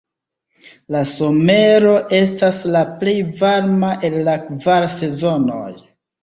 La somero estas la plej varma el la kvar sezonoj.